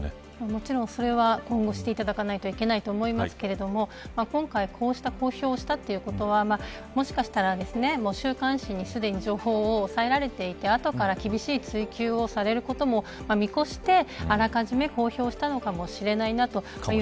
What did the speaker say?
もちろんそれは今後していただかないといけないと思いますけれども今回こう公表したということはもしかしたら、週刊誌にすでに情報を押さえられていて後から厳しい追及をされることも見越してあらかじめ公表したのかもしれないなと。